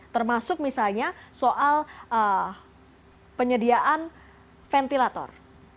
termasuk misalnya soal penyediaan ventilator